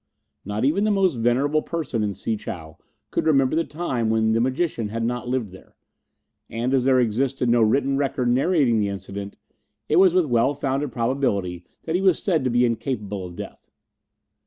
Not even the most venerable person in Si chow could remember the time when the magician had not lived there, and as there existed no written record narrating the incident, it was with well founded probability that he was said to be incapable of death.